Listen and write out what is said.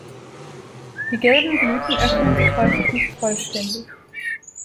Die gelben Blüten öffnen sich häufig nicht vollständig.